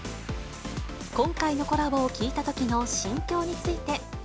今回のコラボを聞いたときの心境について。